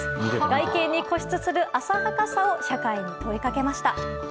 外見に固執する浅はかさを社会に問いかけました。